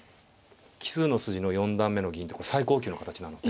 奇数の筋の四段目の銀ってこれ最高級の形なので。